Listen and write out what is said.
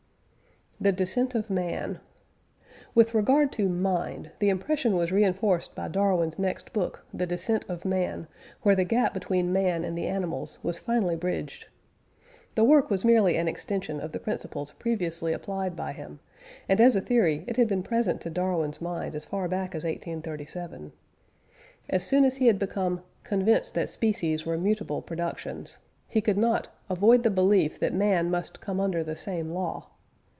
THE DESCENT OF MAN. With regard to "mind," the impression was re inforced by Darwin's next book the Descent of Man, where the gap between man and the animals was finally bridged. The work was merely an extension of the principles previously applied by him, and as a theory it had been present to Darwin's mind as far back as 1837. As soon as he had become "convinced that species were mutable productions," he could not "avoid the belief that man must come under the same law."